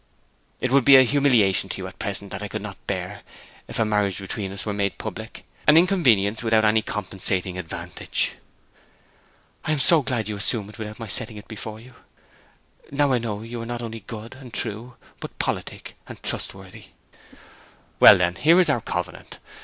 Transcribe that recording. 'It would be a humiliation to you at present that I could not bear if a marriage between us were made public; an inconvenience without any compensating advantage.' 'I am so glad you assume it without my setting it before you! Now I know you are not only good and true, but politic and trustworthy.' 'Well, then, here is our covenant.